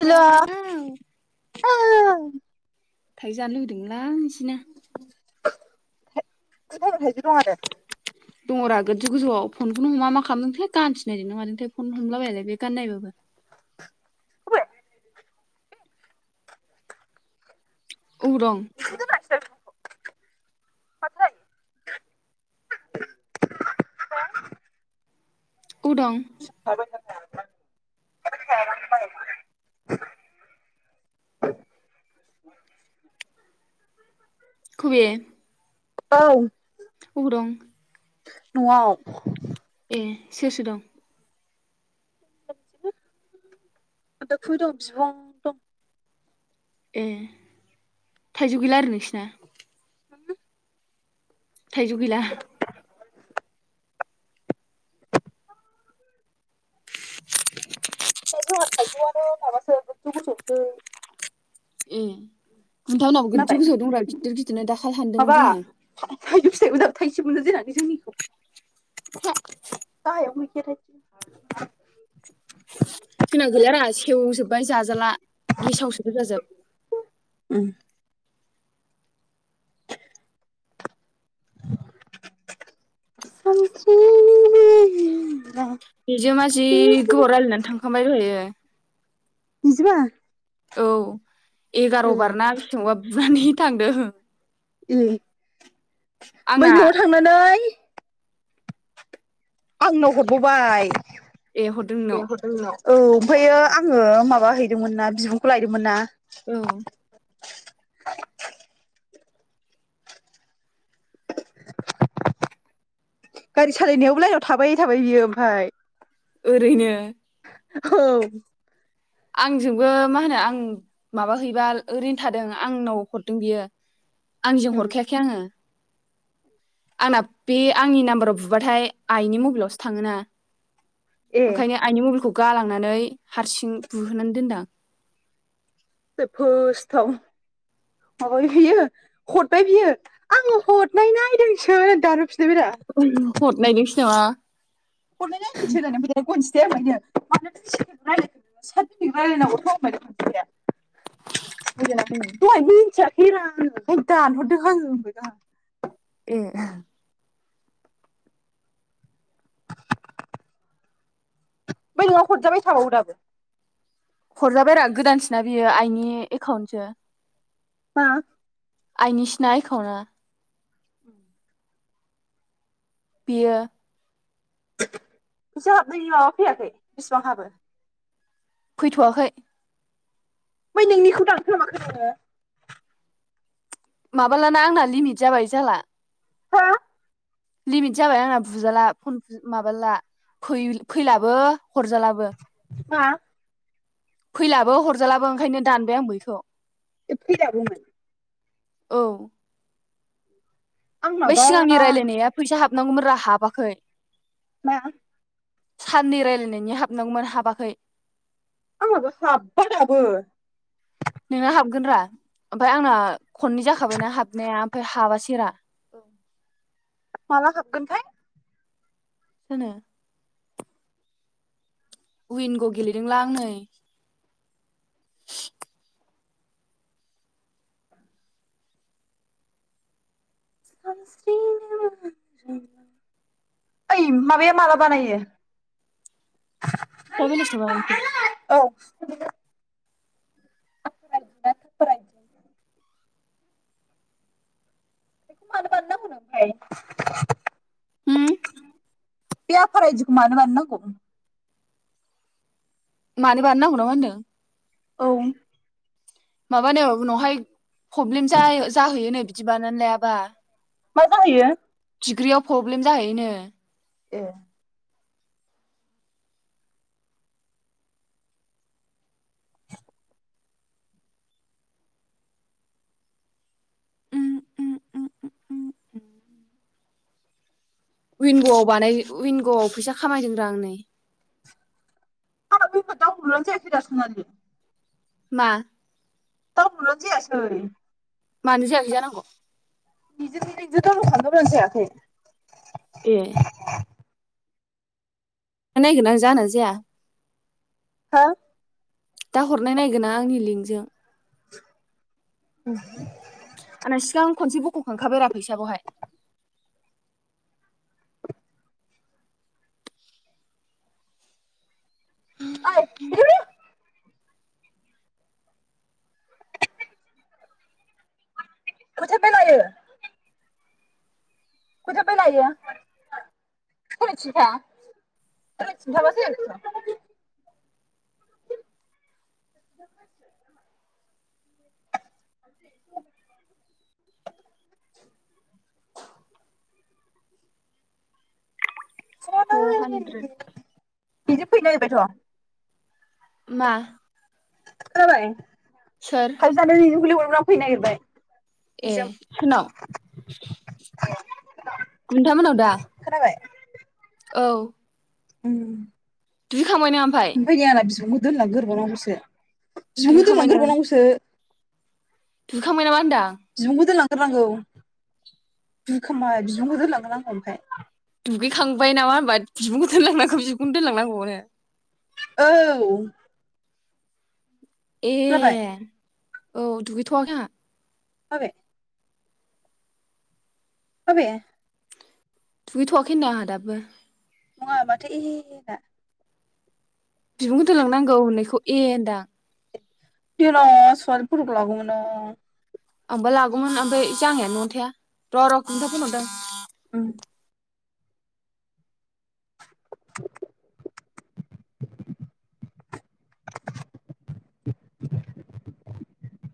हेल' hello ओ थाइजौ जानो लुगैदोंमोनलां तिना [unintelligible] थाइजौ दं आरो दङ राग गोजौ गोजौआव फनखौनो हमा मा खालामदों थाय गानसोनायदों ना मादोंथाय फन हमलाबायालाय बे गाननायबाबो उबाव दं? [unintelligible] उबाव दं? [unintelligible] खुुबे औ उब दं? न'आव। ए सोर सोर दं? [unintelligible] ए थाइजौ गैला आरो नोंसिना? [unintelligible] थाइजौ गैला? आनो माबासो गोजौ गोजौसो ए [unintelligible] नावो गोजौ खोनाबाय गोजौआव दं ब्रा गिदिर गिदिरनो दाखालि हानदोंमोन जोङो। थाइसेबोनो जेनाखै जोंनिखौ [unintelligible] [unintelligible] जोंनाव गैयारा सेवजोबबाय जाजाला गेसावसोबो जाजोब उम [unintelligible] बेजों मा जि गोबोव रायलायनानै थांखांबाय दहैयो बिजिबा औ एगार बार ना [unintelligible] बु जुनानै थांदों उम बै आंना नआव थांनानै [unintelligible] आंनाव हरबोबाय ए हरदों नोंनाव औ ओमफ्रायो आंङो माबा हैदोंमोन ना बिबुंखौ लायदोंमोन ना औ [inaudible] गारि सालायनायावबो लाइनाव थाबाय थाबाय बियो ओमफाय ओरैनो औ आंजोंबो मा होनो आं माबा हैबा ओरैनो थादों आंनाव हरदों बियो आंजों उम, हरखायाखै आंङो आंना बे आंनि नाम्बाराव बुबाथाय आइनि मबाइलावसो थांङोना ए ओंखायनो आइनि मबायलखौ गालांनानै हारसिं बुहोनानै दोनदां आं फोर्स्टआव माबाय बियो हरबाय बियो आंङो हरनाय नायदोंसो होनदो आ हदनायनि दा हरनाय नायदोंसो [unintelligible] [unintelligible] दहाय मिनथिया हिरा आंङो दानहरदो होनबाय दा ए बै नआव हरजाबाय थाबावो दाबो हरजाबायरा गोदानसोना बियो आइनि एकाउन्टसो मा आइनिसिना एकाउन्ट ना बेयो फैसा हाबनायनि माबा फैयाखै बिसिबां हाबो? फैथ'वाखै। ओमफ्राय नोंनिखौ दानखोना माखो नोङो? माबालाना आंना लिमिट जाबाय जाला। हो लिमिट जाबाय आंना बुजाला फन माबाला फैलाबो हरजालाबो। हा? फैलाबो हरजालाबो ओंखायनो दानबाय आं बैखौ। ऐ फैलाबोमोन। औ। ओमफ्राय आंनाबा सिगांनि रायज्लायनाया फैसा हाब गौ मोनरा हाबाखै। मा? साननै रायलायनायनि हाबनांगौमोन हाबाखै। आंनाबो हाबा दाबो। नोंना हाबगोन रा ओमफ्राय आंना खननै जाखाबायना हाबनाया ओमफ्राय हाबासै रा। औ माला हाबगोनथाय? जानो। उिंग' गेलेदों लां नै। ओइ माबाया माला बानायो? दा बेरासियाव बानायसै। औ। बेखौ मानो बानायनांगौनो ओमफाय। होम। बे आफार आइ डिखौ मानो बानायनांगौ? मानो बानो बानायनांगौना मा होनदों। औ। माबानो उनावहाय प्रब्लेम जा जाहैयोनो बिदि बानानानै लायाबा। मा जाहैयो? डिग्रियाव प्रब्लेम जाहैयोनो। ए। उिंग'आव बानाय उिंग'आव फैसा खामायदों रा आं नै। आंना उइंग' दाउनलद जायाखै दा सनालि। मा? दाउनलड जायासै। मानो जायाखै जानांग। निजोमनिजों दाउनलड खालामबाबो जायाखै। ए। दा नायगोन आं जागोनना जाया। हो दा हरनाय नायगोननां आंनि लिंकजों। [inaudible] आंना सिगां खनसे बख' खांखाबायरा फैसाखौहाय। ऐ फैदो फैदो। फोथा बे लायो? [unintelligible] फर हानद्रेद बिसोर फैनो नागिरबायथ'। मा? खोनाबाय? [unintelligible] सोर फुरा फैनो नागिरबाय। ए निजोम सोरनाव, खन्थामोनाव दा? औ उम दुगैखांबाय नों ओमफाय [unintelligible] दोनलां गोरबावनौसो बिब'खौ दोनलां दुगैखांबाय नों गोरबावनांगौसो। दुगैखांबाय नामा होन्दां? बिब'खौ दोनलां ग्रोनांगौ दुगैखांबाय बिबुंखौ दोलांगोरनांगौ ओमफाय दुगैखांबाय नामा होमबा बिबुंखौ दोनलांनांगौ, बिबुंनो दोनलांनांगौनो। औ ए खोनाबाय औ दुगैथ'वाखै आंहा। माबे? माबे? दुगैथ'आाखै होनदां आंहा दाबबो। नङा माथो इहि इहि होना? बिबुंखौ दोनलांनांगौ होननायखौ ए होनदां। [unintelligible] आंबा लागौमोन ओमफाय जांगियानो न'आवनो थाया र' र' खन्थाइ फन हादों। उम [inaudible]